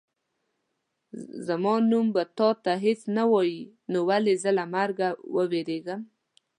زما نوم به تا ته هېڅ نه وایي نو ولې زه له مرګه ووېرېږم.